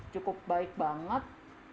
cukup baik banget